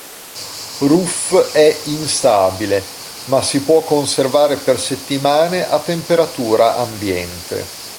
RuF è instabile, ma si può conservare per settimane a temperatura ambiente.